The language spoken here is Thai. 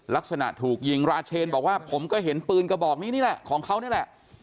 ลักษณะถูกยิงราเชนบอกว่าผมก็เห็นปืนกระบอกนี้นี่แหละของเขานี่แหละ